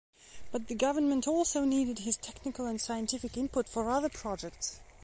But the government also needed his technical and scientific input for other projects.